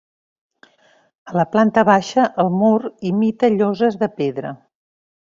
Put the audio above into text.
A la planta baixa, el mur imita lloses de pedra.